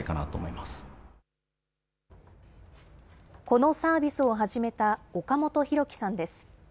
このサービスを始めた岡本広樹さんです。